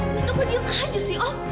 bukankah kau diam aja sih om